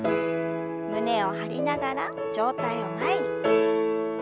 胸を張りながら上体を前に。